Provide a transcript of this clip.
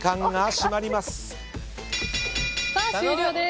終了です。